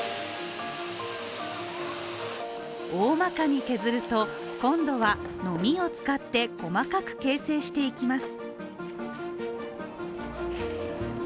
おおまかに削ると、今度はノミを使って細かく形成していきます。